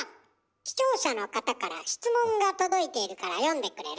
視聴者の方から質問が届いているから読んでくれる？